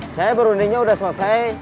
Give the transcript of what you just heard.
saya berundingnya udah selesai